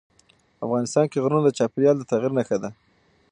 افغانستان کې غرونه د چاپېریال د تغیر نښه ده.